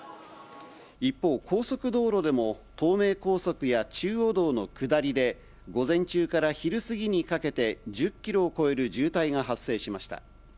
一方、高速道路でも、東名高速や中央道の下りで、午前中から昼過ぎにかけて、１０キロを超える渋滞が発生しました。